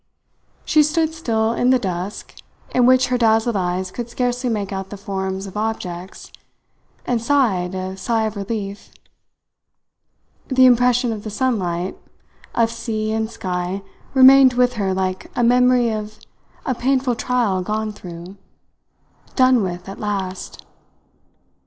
She stood still in the dusk, in which her dazzled eyes could scarcely make out the forms of objects, and sighed a sigh of relief. The impression of the sunlight, of sea and sky, remained with her like a memory of a painful trial gone through done with at last!